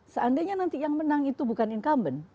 seandainya nanti yang menang itu bukan incumbent